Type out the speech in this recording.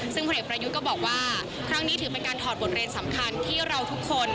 ซึ่งผลเอกประยุทธ์ก็บอกว่าครั้งนี้ถือเป็นการถอดบทเรียนสำคัญที่เราทุกคน